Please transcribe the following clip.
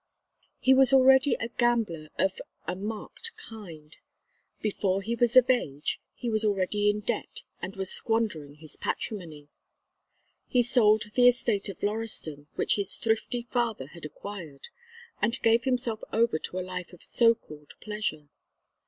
He was already a gambler of a marked kind. Before he was of age he was already in debt and was squandering his patrimony. He sold the estate of Lauriston which his thrifty father had acquired, and gave himself over to a life of so called pleasure.